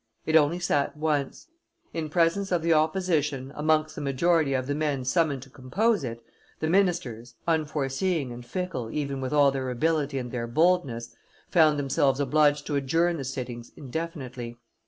It only sat once; in presence of the opposition amongst the majority of the men summoned to compose it, the ministers, unforeseeing and fickle even with all their ability and their boldness, found themselves obliged to adjourn the sittings indefinitely.